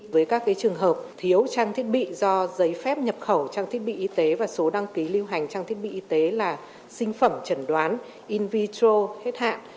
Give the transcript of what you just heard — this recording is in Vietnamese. với các trường hợp thiếu trang thiết bị do giấy phép nhập khẩu trang thiết bị y tế và số đăng ký lưu hành trang thiết bị y tế là sinh phẩm trần đoán in vietro hết hạn